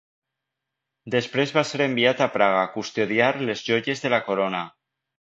Després va ser enviat a Praga a custodiar les joies de la corona.